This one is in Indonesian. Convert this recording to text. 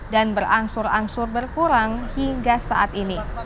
dan berangsur angsur berkurang hingga saat ini